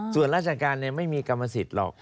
ส่วนราชการไม่มีกรรมสิทธิ์หรอก